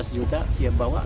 dua belas juta dia bawa